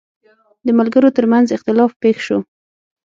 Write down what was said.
د ملګرو ترمنځ اختلاف پېښ شو.